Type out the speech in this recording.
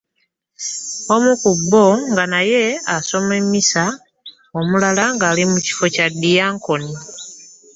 Omu ku bo nga ye asoma emissa, omulala ng'ali mu kifo kya Diakoni.